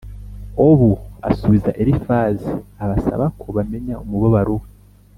obu asubiza elifazi abasaba ko bamenya umubabaro we